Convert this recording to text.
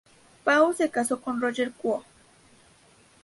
Pao se casó con Roger Kuo.